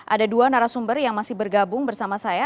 ada dua narasumber yang masih bergabung bersama saya